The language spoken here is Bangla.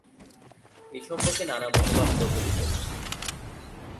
এ সম্পর্কে নানা মতবাদ প্রচলিত।